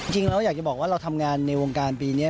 เราอยากจะบอกว่าเราทำงานในวงการปีนี้